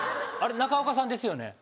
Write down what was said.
中岡さんですよね？